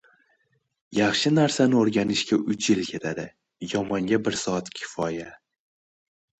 • Yaxshi narsani o‘rganishga uch yil ketadi, yomonga bir soat kifoya.